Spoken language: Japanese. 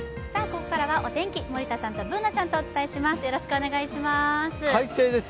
ここからはお天気、森田さんとＢｏｏｎａちゃんとお伝えします。